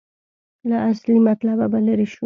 له اصلي مطلبه به لرې شو.